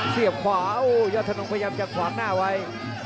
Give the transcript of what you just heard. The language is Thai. เสียบขวาโอ้ยอดธนงพยายามจะขวางหน้าไว้